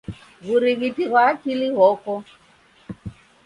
W'urighiti ghwa akili ghoko.